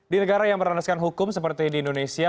di negara yang beraneskan hukum seperti di indonesia